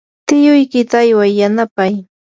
tiyuykita ayway yanapay.